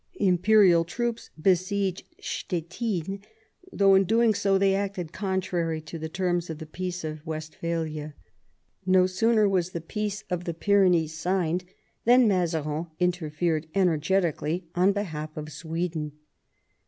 Imperial troops besieged Stettin, though in doing so they acted contrary to the terms of the Peace of Westphalia. No sooner was the 150 MAZABIN chap. Peace of the Pyrenees signed than Mazarin interfered energetically on behalf of Sweden.